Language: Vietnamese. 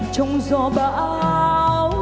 trong gió bão